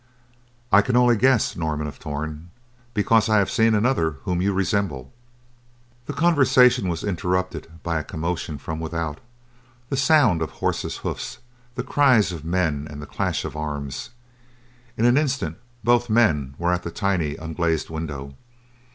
"I can only guess, Norman of Torn, because I have seen another whom you resemble." The conversation was interrupted by a commotion from without; the sound of horses' hoofs, the cries of men and the clash of arms. In an instant, both men were at the tiny unglazed window.